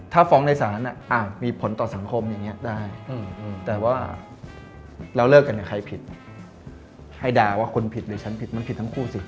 มันมีผลแต่ว่าเราเลิกกันกับใครผิดให้ด่าว่าคุณผิดหรือฉันผิดมันผิดทั้งคู่สิ